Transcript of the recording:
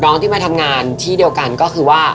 ที่มาทำงานที่เดียวกันก็คือว่า